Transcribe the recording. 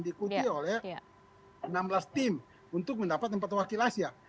diikuti oleh enam belas tim untuk mendapat tempat wakil asia